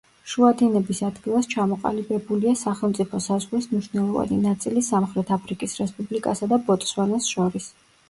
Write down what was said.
შუა დინების ადგილას ჩამოყალიბებულია სახელმწიფო საზღვრის მნიშვნელოვანი ნაწილი სამხრეთ აფრიკის რესპუბლიკასა და ბოტსვანას შორის.